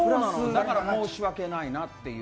だから申し訳ないなという。